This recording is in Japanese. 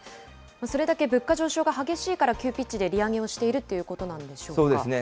それだけ物価上昇が激しいから、急ピッチで利上げをしているといそうですね。